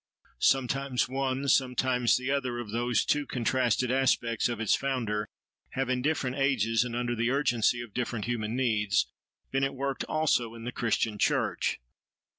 Sometimes one, sometimes the other, of those two contrasted aspects of its Founder, have, in different ages and under the urgency of different human needs, been at work also in the Christian Church.